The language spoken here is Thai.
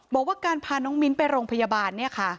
บอกว่าการพาน้องมิ้นไปโรงพยาบาล